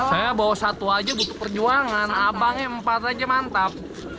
saya bawa satu aja butuh perjuangan abangnya empat aja mantap